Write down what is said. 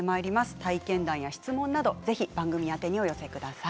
体験談や質問など番組あてにお寄せください。